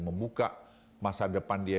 membuka masa depan dia